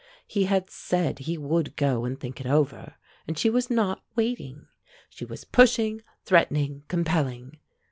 He had said he would go and think it over, and she was not waiting. She was pushing, threatening, compelling.